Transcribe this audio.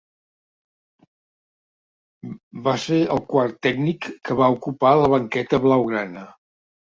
Va ser el quart tècnic que va ocupar la banqueta blaugrana.